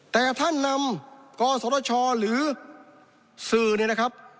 แต่ท่านนำกศชหรือสื่อเนี่ยนะครับ